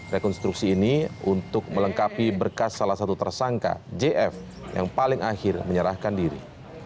rekonstruksi ini untuk melengkapi berkas salah satu tersangka jf yang paling akhir menyerahkan diri